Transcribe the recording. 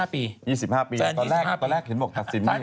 ๒๕ปีตอนแรกเห็นบอกตัดสิน